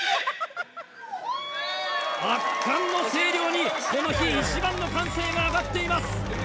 圧巻の声量にこの日一番の歓声が上がっています！